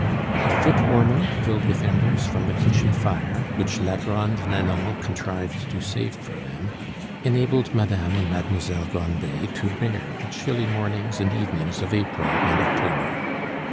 A foot warmer, filled with embers from the kitchen fire, which la Grande Nanon contrived to save for them, enabled Madame and Mademoiselle Grandet to bear the chilly mornings and evenings of April and October.